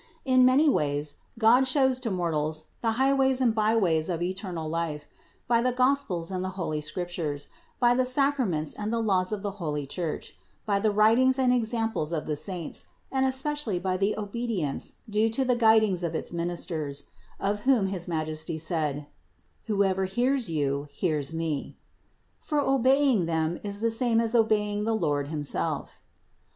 In many ways God shows to mortals the high ways and pathways of eternal life: by the Gospels and the holy Scriptures, by the Sacraments and the laws of the holy Church, by the writings and examples of the saints, and especially, by the obedience due to the guid ings of its ministers, of whom his Majesty said : "Who ever hears you, hears Me;" for obeying them is the same as obeying the Lord himself.